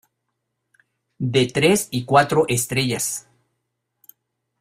De tres y cuatro estrellas.